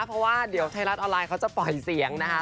เพราะว่าเดี๋ยวไทยรัฐออนไลน์เขาจะปล่อยเสียงนะคะ